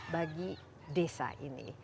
bagi desa ini